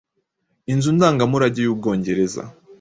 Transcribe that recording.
Inzu Ndangamurage yUbwongereza